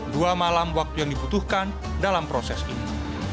dua malam waktu yang dibutuhkan dalam proses ini